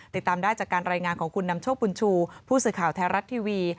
ติดตามได้จากการรายงานของคุณนำโชคบุญชูผู้สื่อข่าวไทยรัฐทีวี